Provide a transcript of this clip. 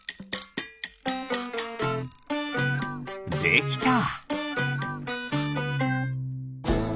できた！